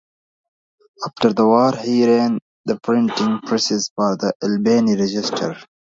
After the war he ran the printing presses for the "Albany" "Register".